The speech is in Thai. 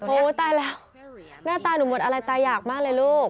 ตายแล้วหน้าตาหนูหมดอะไรตาอยากมากเลยลูก